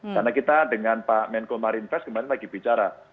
karena kita dengan pak menko marine fest kemarin lagi bicara